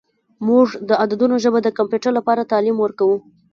موږ د عددونو ژبه د کمپیوټر لپاره تعلیم ورکوو.